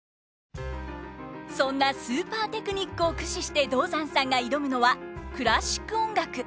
そんなスーパーテクニックを駆使して道山さんが挑むのはクラシック音楽！